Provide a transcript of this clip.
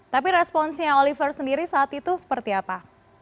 tapi responsnya oliver sendiri saat itu seperti apa